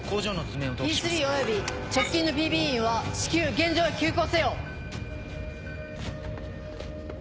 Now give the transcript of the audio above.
Ｅ３および直近のＰＢ員は至急現場へ急行せよ！